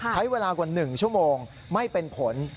ใช้เวลากว่า๑ชั่วโมงไม่เป็นผล